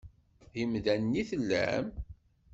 D imdanen i tellam?